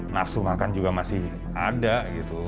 nafsu makan juga masih ada gitu